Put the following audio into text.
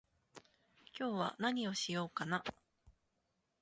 今日は何をしようかな